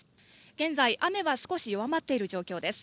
現在、雨は少し弱まっている状況です。